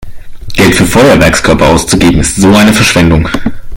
Geld für Feuerwerkskörper auszugeben ist so eine Verschwendung!